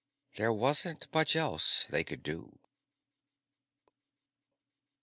There wasn't much else they could do.